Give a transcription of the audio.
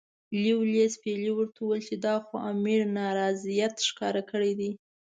لیویس پیلي ورته وویل چې دا خو امیر نارضاییت ښکاره کړی دی.